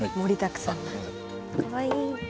かわいい。